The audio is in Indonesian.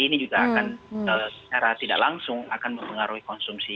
ini juga akan secara tidak langsung akan mempengaruhi konsumsi